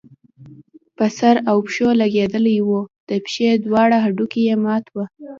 په سر او پښو لګېدلی وو، د پښې دواړه هډوکي يې مات وو